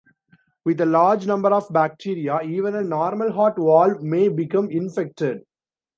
With a large number of bacteria, even a normal heart valve may become infected.